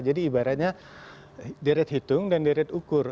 jadi ibaratnya deret hitung dan deret ukur